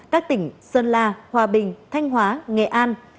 các tỉnh sơn la hòa bình thanh hóa nghệ an